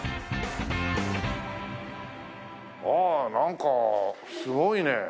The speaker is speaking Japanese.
ああなんかすごいね。